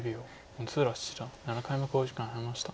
六浦七段７回目の考慮時間に入りました。